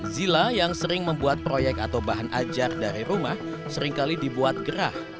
zila yang sering membuat proyek atau bahan ajar dari rumah seringkali dibuat gerah